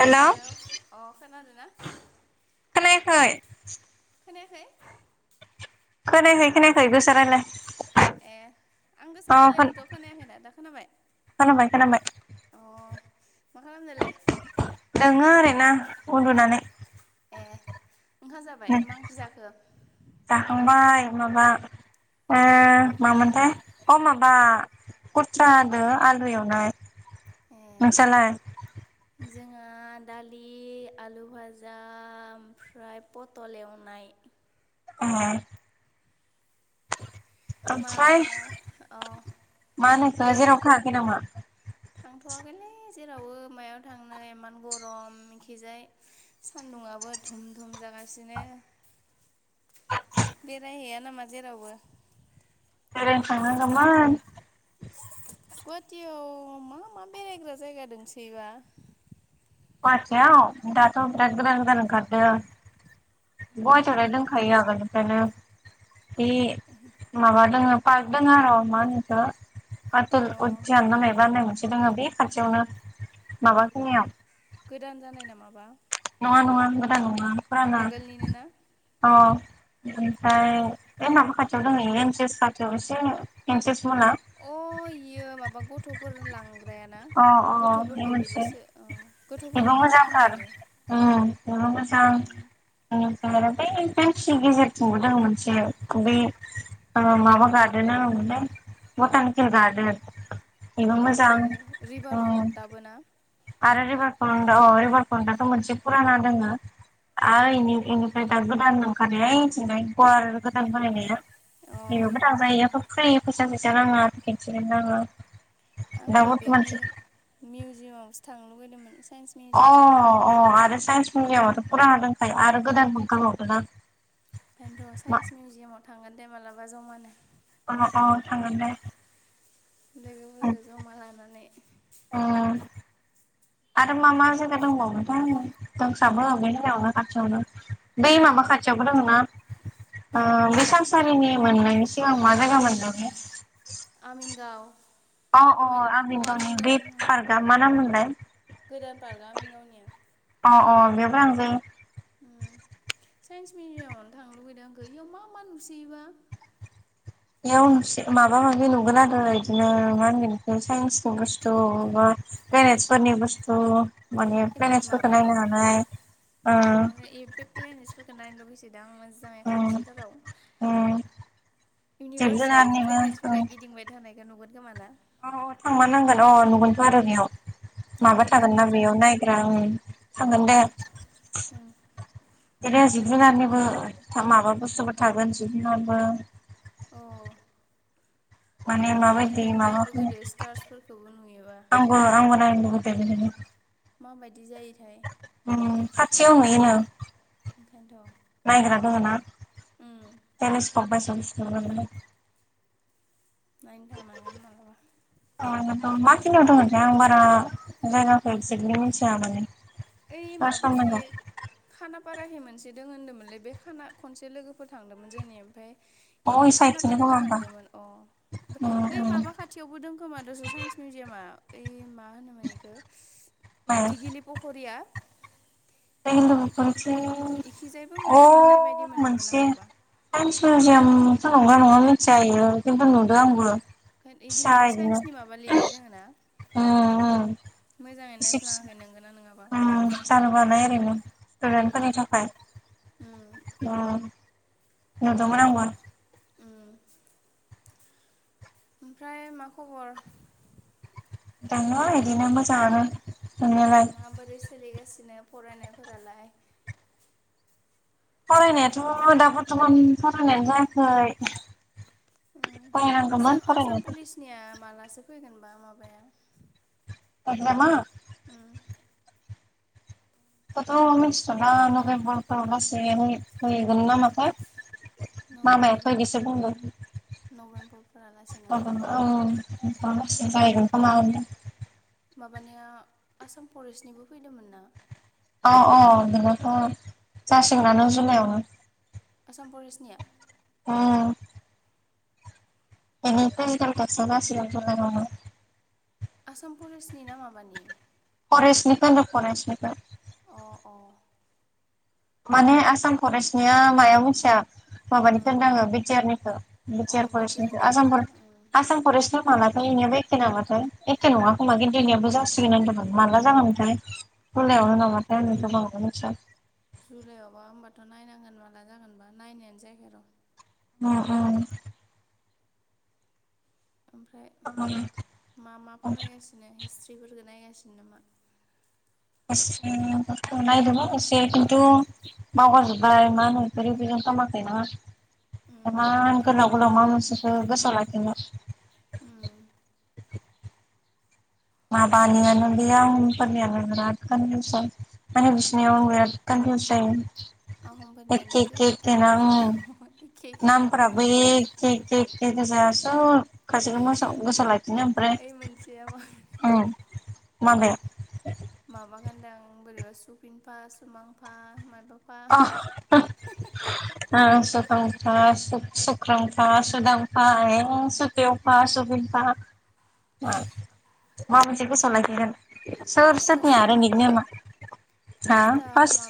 हेल' hello अ खोनादोना? खोनायाखै खोनायाखै? खोनायाखै खोनायाखै गोसा रायलाय ए आं अ गोसा रायलायदो थ' खोनायाखैना दा खोनाबाय। खोनाबाय खोनाबाय अ मा खालामदोलै दोङो ओरैनो। उन्दुनानै ए ओंखाम जाबाय नै मा ओंख्रि जाखो? जाखांबाय माबा ओ मामोनथाय अ माबा खुरथ्रा दो आलु एवनाय। ए नोंसालाय? जोंहा दालि आलु भाजा ओमफ्राय पटल एवनाय। अ मा ओमफ्राय अ मा होनो इखो बे जेरावबो थांङाखै नामा? थांथ'वाखैलै जेरावबो मायाव थांनो इमान गरम इखिजाय सान्दुंआ दाबो धुम धुम जागासिनो। बेरायहैया नामा जेरावबो? बेेरायनो थांनांगौमोन। गुवाहाटियाव मा मा बेरायग्रा जायगा दोंसोयोबा गुवाहाटीआव दाथ' बिराथ गोदान गोदान ओंखारदों गुवाहाटीआवलाय दोंखायो आगोलनो ओंखायनो बे माबा दङ पार्क दङ आरो' मा होनो इखौ आटल अ उज्यान मायबा होननाय मोनसे दङो बे खाथियावनो माबा खिनियाव गोदान जानाय नामाबा नंङा नङा गोदान नङा फुराना आगोलनिनो ना अ ओमफ्राय बे माबा खाथियाव दङ एनसेस खाथियाव एसे एन्सेस अ इयो माबा गथ'फोर लां ग्रायाना अ अ बे गथ'फोरखौबो मोनसे जिसो अ बेबो गथ'फोरनि पार्क खोमा मोजांथार इयो उम बेबो मोजां उम नंङा बा बै [unintelligible] गेजेरथिबो दं मोनसे बै माबा गार्डोन मा होनोमोनलाय [unintelligible] गार्डेन अ इयो रिभार फ्रन्टयाबो ना आरो रिबारफ्रन्द अ रिबारफ्रन्दथ' मोनसे फुराना दोङो आरो इनि इनिफ्राय दा गोदान ओंखारनाया ऐथिंजाय गुवार गोदान बनायनाया। अ इयाव [unintelligible] आंखौ बे मि मिउजियामावसो थां लुबैदोंमोन अ अ आरो साइन्स मिडियामावथ' फुराना दंखायो आरो गोदान ओंखारबावदों ना ओंखायनथ' साइन्स मिउजियामाव थांगोन दे मालाबा जमानो अ अ थांगोन दे लोगोफोरखौ जमा लानानै उम [inaudible] आरो मा मा जायगा दंबावोथाय दंसाबो बे जायगायावनो खाथियावनो बै माबा खाथि यावबो दंमोना अ बे सानसारिनि मोननायनि सिगांआव मा जायगामोन बे आमिनगाव अ अ आमिन गावनि बे पार्कआ मा नाम मोनलाय? गोदान पार्कगा आमिन गावनिया अ अ बेयवबो थांजायो उम साइन्स मिउजियामावनो थांनो लुबैदों आंखौ इयाव मा मा नुसोयोबा बेयाव माबा माबि नुगोन आरो इदिनो मा होनगोन साइन्सनि बुस्थु बा बेनेेजफोरनि बस्थु माबायाव ओ अ बे प्लेनजोंसो फैगोन नायनो लुगैसो दां मोजाङै उम खाथिथाराव उम जिब इउनिभार्सआव जुनारनिबो प्लेनेटसफोरा गिदिंबाय थानायखौ नुगोन खोमा ना? अ अ थांमार नांगोन अ नुगोनथ' आरो बेयाव माबा थांगोन दे थागोन ना होमबा जोंहा बेयाव नायग्रा उम थांगोन उम दे। उम बिदिनो जिब जुनारनिबो माबा बुस्थुबो थागोन जिब जुनारबो औ माने माबायदि माबाखौ लुगैदो स्टार्सफोरखौबो नुयोबा आंबो आंबो नायनो लु माबायदि जायोथाय उम खाथियाव नुयोनो ओंखायनोथ' उम [unintelligible] नायनो थांनांगोन मालाबा। बबे खिनियाव दङथाय आं बारा जायगाखौ एक्जेक्टलि मिथिया माने। ओइ सार्च माबाखि खालामनांगौ खाना फाराहि मोनसे दङ होन्दोंमोनलै बे खाना खनसे लोगोफोर थांदोंमोन जोंनि ओमफ्राय आं अ इ साइडथिंनो खोमा खानापाराखि होमबा थांदोंमोन अ ओमफ्राय ओइ माबा खाथियावबो दं खोमा दस साइन्स मिउजियाम आ ओय मा मोनोमोन इखो [unintelligible] दिगिलि पुख [unintelligible] [unintelligible] अ इखिजायबो मोनसे नुनाय बायदि मोनदोंमोन आं मोनसे माबा साइन्स मिउजियाम आंथ' नंगौ ना नङा मिथिया इयो खिन्थु नुदों आंबो। खाय बिदि फिसा माबा इदिनो साइन्सनि माबा लिरनाय दोङ ना? मोजाङै सिबस नायफ्लाङाखै नोंगोना नङाबा उम जानोबो हानाय ओरैनो उम स्टुडेन्टफोरनि थाखाय। उम अ नुदोंमोन आंबो। उम ओमफ्राय मा खबर? दङ इदिनो मोजाङानो। नुनायालाय माबोरै सोलिगासिनो फरायनायफोरालाय? फरायनायाथ' दा बरथ'मान फरायनायानो जायाखै। उम आसाम फरायनांगौमोन आसाम फरायनायाथ'। पुलिसनिया मालासो फैगोनबा माबाया एकजामा उम बेखौथ मिथिथ'ला नभेम्बरफ्राव लासै [unintelligible] नामाथाय मामायाथ नभेम्बरफोर इदिसो बुंदों। नभेम्बरफोरालासेनो औ [unintelligible] उम जाहैगोन खोमा होनदों। माबानिया आसाम फरेस्टनिबो फैदोंमोन ना। औ औ बेनोथ' जासिगोननानो जुलाइआवनो। आसाम पुलिसनिया? उम। इनि फिजिकेल टेस्टा जासिगोन [unintelligible] आसाम परेस्टनि ना माबानि फरेस्टनिखो होनदों फरेस्टनिखौ। अ अ माने आसाम फरेस्टनिया मायाव मिथिया माबानिखौ ओं होनदोङो बिटि आर निखौ। अ बिटि आर फरेस्टनिखो बिटिआरनिया ना आसाम फरे उम आसाम फरेस्ट मालाथाय इनियाबो एखे नामाथाय एखे नङा खोमा खिन्थु इनियाबो जासिगोन होनदोंमोन माला जागोनथाय। अ जुलायावनो नामाथाय [unintelligible] मिथिया। जुलाइआवबा होमबाथ नायनांगोन माला जागोनबा नायनायानो जायखै र। उम उम ओमफ्राय उम उम मा मा फरायगासिनो हिस्ट्रि फोरखौ नायगासिनो नामा? एसेखौथ' नायदोंमोन एसे खिन्थु बावगारजोबबाय माहोनो रिभिनिउ खालामाखै ना उम इमान आंबोथ' गोलाव इदिनो गोलाव मा मोनसेखौ गोसोआव लाखिनो। उम माबानियानो बे आहम फोरनियानो बिराज कनभिउसन। माने बिसोरनियाव बिराद कनफिउस जायो। अहमफोरनियानो खैथा राजा दङमोन। नामफ्राबो एखे एखे एखे गोजा। सब गासिबो गोसाव गोसोआव लाफिनो ओमफ्राय ओइ मोनसेया मा उम माबे? माबागोनदां बोरैबा सुफिनफा सुमांफा माबा [unintelligible] [unintelligible] सु सुख्रांफा सुदांफा ए स सेवफा सुबिनफा मा मोनसे गोसोआव लाखिगोन सोर फार्स्टआ सोरनि आरो निक सोरमोनबा नेमा हा फास्ट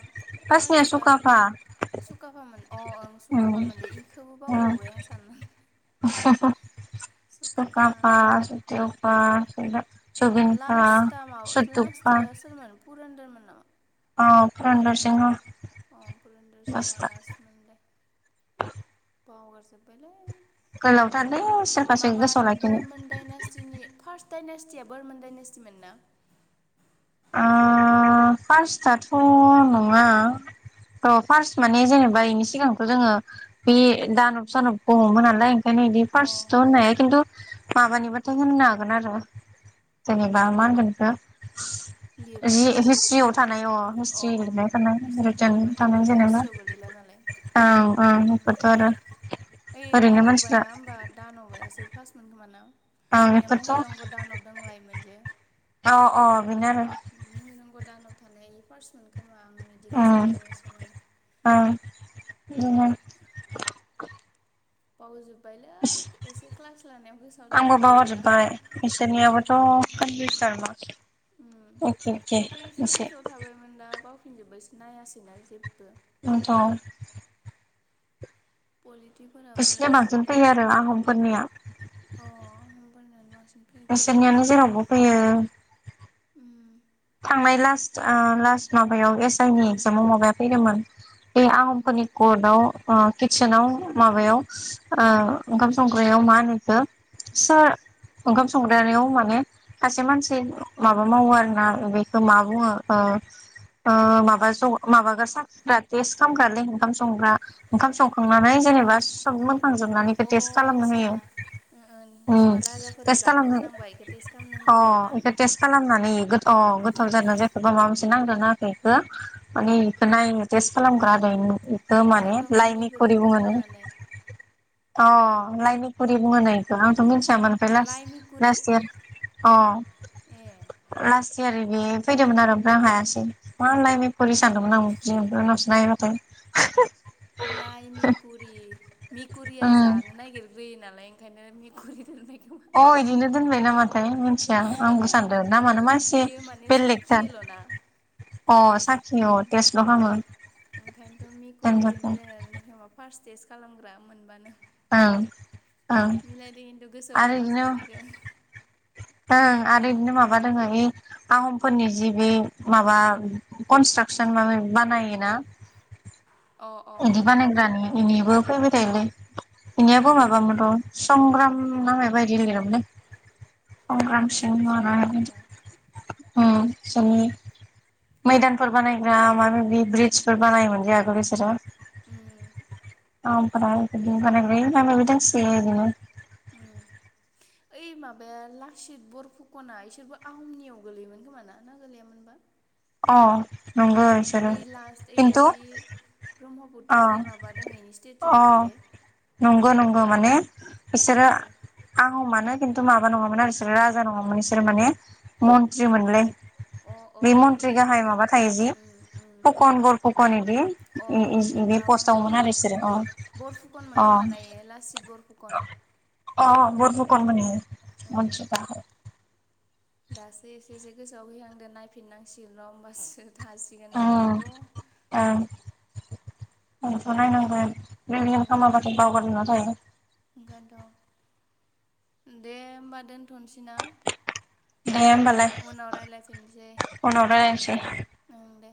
फास्ट सुखाफा सुखाफामोन अ ओं उम सुखाफामोन‌ दे इखौबो बावबावबाय आं साननानै [unintelligible] सुखाफा सुदेवफा सुंज्रेब लास्टा मा लास्टा सोरमोन पुरनदर अ फुरन्दर सिंह अ अ फुरन्दर सिंहआ लास्टमोन दे बावगारजोबबाय लै गोलावथारलै [inaudible] सोरखासो माबा गोसोआव लाखिनो बोरमोन दाइनासटिनि फार्स्ट दाइनेस या बोरमोन दाइनासटि मोन ना? ओ फार्स्टआथ' नङा। थ फार्स्ट माने जेनेबा बेनि सिगांथ' जोङो बे दानब सानब खौ हमगोन नालाय नैबि अ फार्स्ट‌आव होननाया खिन्थु माबानिबाथाय होननो हागोन आरो जेनेबा मा होनगोन बेखौ जि लिरनायबा ना? [unintelligible] थानाय अ हिस्ट्रि लिरनाय हिस्ट्रियाव थानायबा [unintelligible] थानाय बेफोरथ' जेनेबा हिस्ट्रियाव गोलैला नालाय औ औ [unintelligible] आरो ओइ ओरैनो मानसिफ्रा दानबबाया होमबा दानबबायासो फार्स्ट मोन। होनबाना आं बिना बेफोरथ' महिरंघ दान'ब दंलायो मोनजे अ अ बिनो आरो थानायनि फार्स्ट मोन खोमा आं बिदि गोसोआव उम दं एसे माने ओं बिदिनो [unintelligible] [inaudible] बावजोब थोस आंबो दंमोन गैला बावगारजोबबाय बिसोरनियाबोथ' कन्फ्यूज [unintelligible] एके एके इसे फिनजोब्बायसो नायासैना जेबो दोन्थ' औ पलिटिफोराबो बिसोरनि बांसिन फैयो आरो जि आहमफोरनिया। अ होमबानियानो बांसिन फैयो फैनायालाय बिसोरनियानो जेरावबो फैयो उम थांनाय लास्ट आ लास्ट माबायाव एस आइ नि एक्जामाव माबाया फैदोंमोन बे उम आहमफोरनि कर्टआव ओ किटसेनाव माबायाव ओ उम ओंखाम संग [unintelligible] मानिखौ सोर ओंखाम संग्रानिआव माने सासे मानसि माबा मावो आरो ना बेखो बुङो ओ ओ माबा ज माबासाखिग्रा टेस्ट खालामग्रालै ओंखाम संग्रा ओंखाम संखांनानै जेनेबा सब मोनखांजोबनानै बिखौ अ टेस्ट खालामनो आदसा होयो ओ ओ मा राजाफोरा जानो गोनांबा इखो टेस्ट खालामनो [unintelligible] अ होग्रायाना बेखो टेस्ट खालामनानै अ गोथाव जादों जायाखै बा माबा मोनसे नांदोंना ओं नाङाखै बेखौ माने उम बेखौ नायनो टेस्ट खालामग्राआरो माने सोरबा लाइनि खुरि मुलिफोरबोथ' बुङो नो होनानै अ लाइनि खुरि बुङो नो आंथ' मिथियामोन ओमफ्राय लास्ट लाइ मिकुरि लास्ट इयार अ ए लास नैबे फैदोंमोन आरो ओमफ्राय आं हायासै मा लाइननि [unintelligible] सानदोंमोन [unintelligible] नाया द [unintelligible] लाइ मिकुरि, मिकुरिया उम जानो नागिरग्रोयो नालाय ओंखायनो मिकुरि [unintelligible] अ' इदिनो दोनबाय नामा? थाय मिथिया आंबो सानदों नामानो मासि इयो माने बेलेगथार साखियोल'ना अ साखिओ उम टेस्टल' अ खामो। ओंखायनोथ' मेकरिजों मिलायनानै [unintelligible] फार्स्ट टेस्ट खालामग्रा मोनबानो ओं ओं मिलायदों खिन्थु गोसोआव आरो इदिनो थाखासिगोन इखो ओं आरो बिदिनो माबा दोङ बे आहमफोरनि जि बे माबा कनस्ट्राक कुइसन माबा-माबि बानायोना अ अ बिदि बानायग्रानि बिदिबो फैबाय थायोलै बिनियाबो अ माबामोनथ' संग्राम ना माबायदि लिरामोनलै कनस्ट्राकसन संग्रामसिंह बानायग्रा बिसोरनि मैदानफोर बानायग्रा माबा-माबि ब्रिजफोर बानायोमोनजे बिसोरो उम ओमफ्राय आंनाबो‌दंसोयो बिदिनो उम ओइ बे माबाया लासित बरफुकना इसोरबो आहमनियाव गोलैयोमोन खोमा ना ना गोलैयामोनबा अ नंगौ इसो खिन्थु अ ब्रह्मपुत्रदि माबा दों इनि स्टेचु दं अ जे नंगौ नंगौ माने बिसोरो उम आं मानो खिन्थु माबा नङामोन आरो बिसोरो राजा नङामोन बिसोर माने मन्त्रि मोनलै अ बे मन्त्रि ओइदि गाहाय माबा थायो जि उम उम फुकन गल फुकन बिदि अ इदि बिदि माबामोन पस्तावमोन आरो बिसोरो अ अ बानायनायो लासित बरफुखन अ बरफुकनमोननो ओं मन्थि [unintelligible] दासो एसे एसे गोसोआवहहांदो नायफिनांसिग न' होमबासो थासिगोन ओं नङाबाथ' आथ' नायनांगोन रिमिम उम खालामाबाथ' बावगारना जायो ओंखायनोथ' दे होमबा दोनथ'सै ना दे होमबालाय उनाव रायलायफिनसै उनाव रायलायनोसै ओं दे